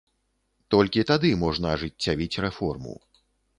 Толькі тады можна ажыццявіць рэформу.